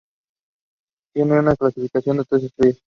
Tiene una clasificación de tres estrellas.